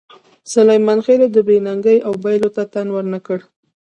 سلیمان خېلو د بې ننګۍ او بایللو ته تن ور نه کړ.